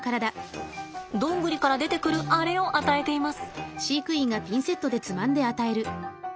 どんぐりから出てくるあれを与えています。